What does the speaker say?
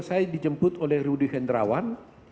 saya dijemput oleh rudy hendrawan